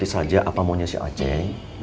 saja apa maunya si aceh